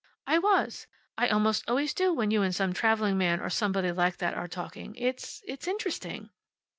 "I was. I almost always do when you and some traveling man or somebody like that are talking. It it's interesting."